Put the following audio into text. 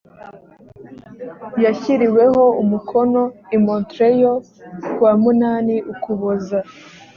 yashyiriweho umukono i montreal ku wa munani ukuboza